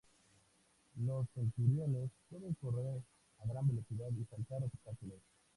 Los centuriones pueden correr a gran velocidad y saltar obstáculos.